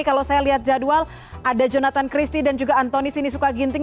kalau saya lihat jadwal ada jonathan christie dan juga antoni sinisuka ginting